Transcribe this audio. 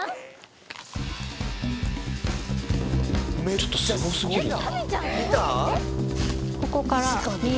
ちょっとすご過ぎるな。